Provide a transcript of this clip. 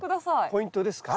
ポイントですか？